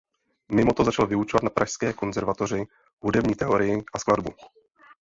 Mimo to začal vyučovat na Pražské konzervatoři hudební teorii a skladbu.